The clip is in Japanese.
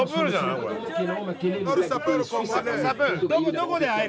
どこで会える？